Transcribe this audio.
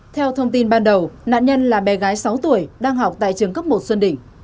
theo thông tin ban đầu nạn nhân là bé gái sáu tuổi đang học tại trường cấp một xuân đỉnh